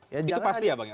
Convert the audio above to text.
itu pasti ya bang ya